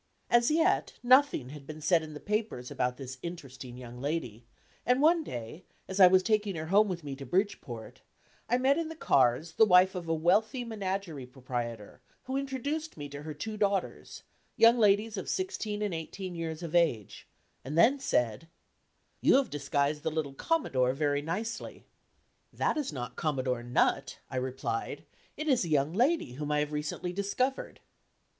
As yet, nothing had been said in the papers about this interesting young lady, and one day as I was taking her home with me to Bridgeport, I met in the cars the wife of a wealthy menagerie proprietor, who introduced me to her two daughters, young ladies of sixteen and eighteen years of age, and then said: "You have disguised the little Commodore very nicely." "That is not Commodore Nutt," I replied, "it is a young lady whom I have recently discovered."